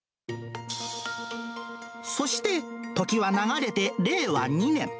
そして、時は流れて令和２年。